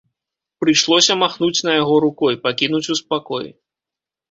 Прыйшлося махнуць на яго рукой, пакінуць у спакоі.